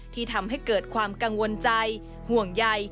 ที่ทำให้เกิดความกังวลใจห่วงใย